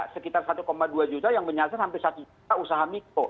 sekitar satu dua juta yang menyasar sampai satu juta usaha mikro